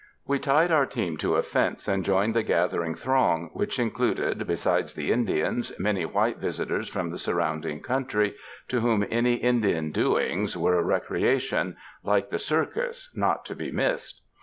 We tied our team to a fence, and joined the gathering throng, which included, besides the Indians, many white visitors from the surrounding country, to whom any Indian "doings" are a recreation, like the circus, not to be missed.